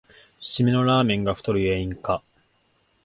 しめのラーメンが太る原因か